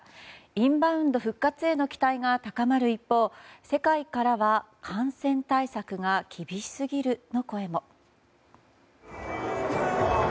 インバウンド復活への期待が高まる一方世界からは感染対策が厳しすぎるの声も。